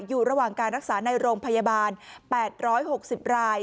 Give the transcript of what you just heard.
อยู่ระหว่างการรักษาในโรงพยาบาล๘๖๐ราย